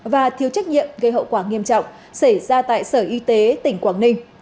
và thiếu trách nhiệm gây hậu quả nghiêm trọng xảy ra tại sở y tế tỉnh quảng ninh